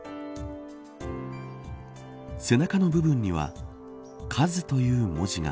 背中の部分にはＫＡＺＵという文字が。